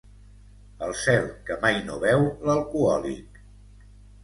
El cel que mai no veu l'alcohòlic.